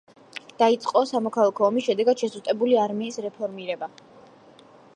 დაიწყო სამოქალაქო ომის შედეგად შესუსტებული არმიის რეფორმირება.